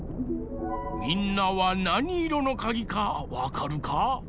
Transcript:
みんなはなにいろのかぎかわかるか？